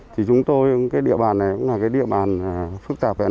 thì chúng tôi địa bàn này cũng là địa bàn phức tạp và phức tạp